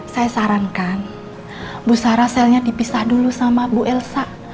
saya sarankan busara selnya dipisah dulu sama bu elsa